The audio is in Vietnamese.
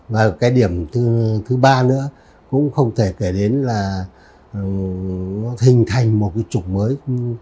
và cái điểm thứ ba nữa cũng không thể kể đến là nó hình thành một cái chủng mới